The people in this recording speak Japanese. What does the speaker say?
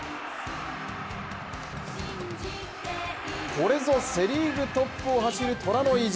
これぞセ・リーグトップを走る虎の意地。